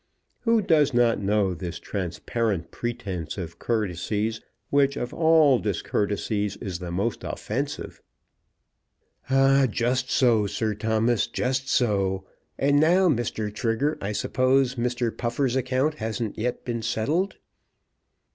Who does not know this transparent pretence of courtesies, which of all discourtesies is the most offensive? "Ah, just so, Sir Thomas; just so. And now, Mr. Trigger, I suppose Mr. Puffer's account hasn't yet been settled."